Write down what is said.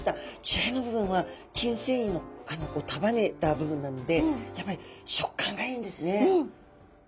血合いの部分は筋繊維を束ねた部分なのでやっぱり食感がいいんですね。